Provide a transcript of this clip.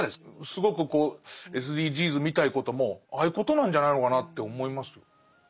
すごくこうＳＤＧｓみたいなこともああいうことなんじゃないのかなって思います。